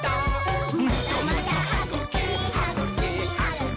「またまたはぐき！はぐき！はぐき！